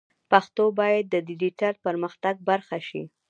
پښتو باید د ډیجیټل پرمختګ برخه شي.